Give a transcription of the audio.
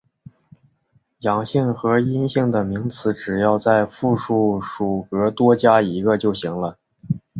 阳性和阴性的名词只要在复数属格多加一个就行了。